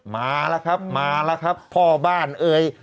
มาแล้วครับมาแล้วครับพ่อบ้านเอ่ย